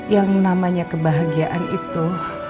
yang namanya kebahagiaan itu